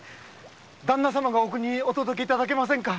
ダンナ様がお国へお届けいただけませんか？